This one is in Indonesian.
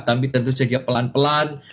tapi tentu saja pelan pelan